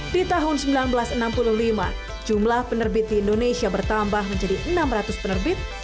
di tahun seribu sembilan ratus enam puluh lima jumlah penerbit di indonesia bertambah menjadi enam ratus penerbit dan kini sekitar seribu tiga ratus penerbit